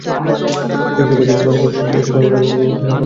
বিষয়টি বাজার ফান্ড কর্তৃপক্ষের কাছে বারবার আবেদন করেও কোনো সাড়া পাওয়া যায়নি।